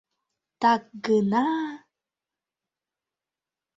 Так гына...